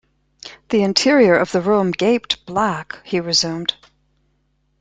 "The interior of the room gaped black," he resumed.